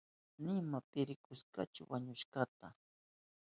Nima pi rikushkachu wañushkanta.